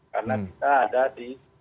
karena kita ada di